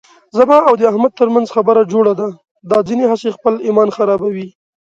زما او د احمد ترمنځ خبره جوړه ده، دا ځنې هسې خپل ایمان خرابوي.